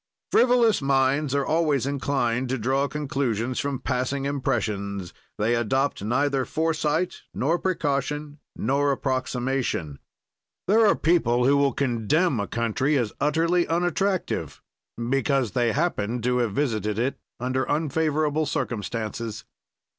"Frivolous minds are always inclined to draw conclusions from passing impressions; they adopt neither foresight, nor precaution, nor approximation. "There are people who will condemn a country as utterly unattractive, because they happened to have visited it under unfavorable circumstances.